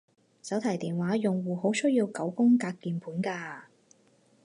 手提電話用戶好需要九宮格鍵盤㗎